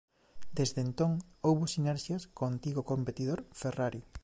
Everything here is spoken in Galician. Desde entón houbo sinerxias co antigo competidor Ferrari.